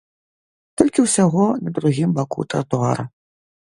Толькі ўсяго на другім баку тратуара.